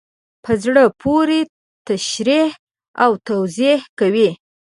په زړه پوري تشریح او توضیح کوي.